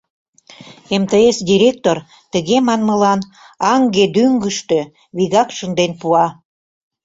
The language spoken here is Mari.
МТС директор тыге манмылан аҥге-дӱҥгыштӧ вигак шынден пуа: